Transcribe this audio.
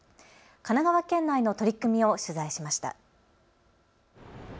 神奈川県内の取り組みを取材しました。